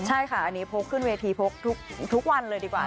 ใช่ค่ะอันนี้พกขึ้นเวทีพกทุกวันเลยดีกว่า